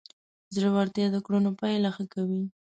زړورتیا د کړنو پایله ښه کوي.